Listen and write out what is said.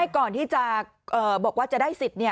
ก่อนที่จะบอกว่าจะได้สิทธิ์